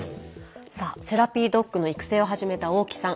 さあセラピードッグの育成を始めた大木さん。